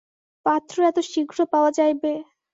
পাত্র এত শীঘ্র পাওয়া যাইবে?